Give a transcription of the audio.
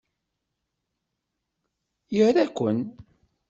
Ira-ken!